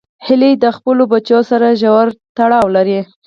هیلۍ د خپلو بچو سره ژور تړاو لري